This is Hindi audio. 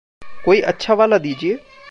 कोई अच्छा वाला दीजिए।